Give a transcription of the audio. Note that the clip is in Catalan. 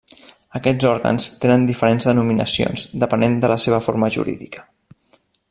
Aquests òrgans tenen diferents denominacions depenent de la seva forma jurídica.